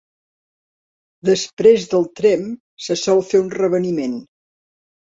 Després del tremp se sol fer un reveniment.